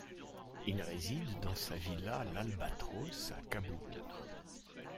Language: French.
Il réside dans sa villa l’Albatros, à Cabourg.